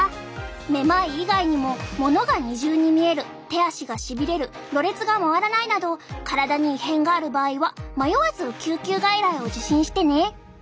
めまい以外にも物が二重に見える手足がしびれるろれつが回らないなど体に異変がある場合は迷わず救急外来を受診してね！